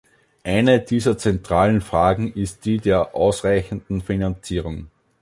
Eine dieser zentralen Fragen ist die der ausreichenden Finanzierung.